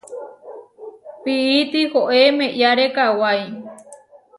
Pií tihoé meʼyáre kawái.